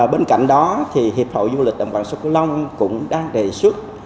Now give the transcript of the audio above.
bên cạnh đó hiệp hội du lịch đồng bằng sông cửu long cũng đang đề xuất